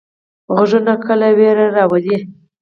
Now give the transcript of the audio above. غږونه کله ویره راولي.